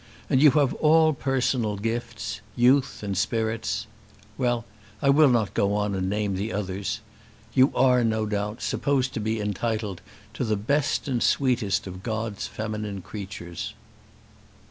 And you have all personal gifts; youth and spirits Well, I will not go on and name the others. You are, no doubt, supposed to be entitled to the best and sweetest of God's feminine creatures."